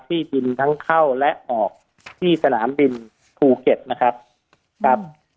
ที่ดินทั้งเข้าและออกที่สนามบินภูเก็ตนะครับครับ